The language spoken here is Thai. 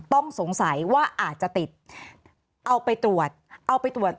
ต้องสงสัยว่าอาจจะติดเอาไปตรวจเอาไปตรวจ